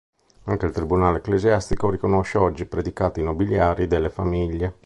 Anche il tribunale ecclesiastico riconosce oggi i predicati nobiliari delle famiglie.